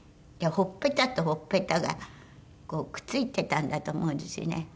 ほっぺたとほっぺたがこうくっついてたんだと思うんですよね